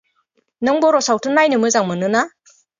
नों बर' सावथुन नायनो मोजां मोनो ना?